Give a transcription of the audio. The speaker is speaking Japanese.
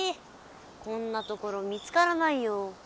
こんなところ見つからないよ。